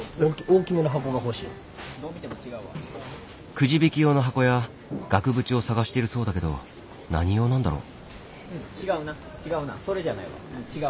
くじ引き用の箱や額縁を探しているそうだけど何用なんだろう？